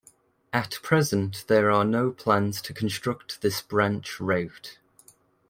At present there are no plans to construct this branch route.